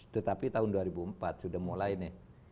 tetapi tahun dua ribu empat sudah mulai nih